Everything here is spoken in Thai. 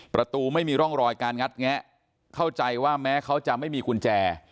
ประตูไม่มีร่องรอยการงัดแงะเข้าใจว่าแม้เขาจะไม่มีกุญแจ